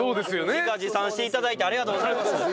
自画自賛して頂いてありがとうございます。